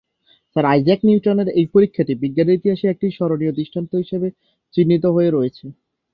Sir Isaac নিউটনের এই পরীক্ষাটি বিজ্ঞানের ইতিহাসে একটি স্মরণীয় দৃষ্টান্ত হিসাবে চিহ্নিত হয়ে রয়েছে।